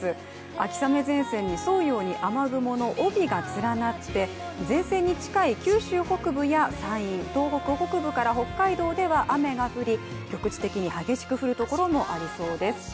秋雨前線に沿うように雨雲の帯が連なって前線に近い九州北部や山陰、東北北部から北海道では雨が降り局地的に激しく降るところもありそうです。